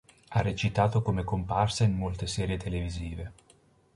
Ha recitato come comparsa in molte serie televisive.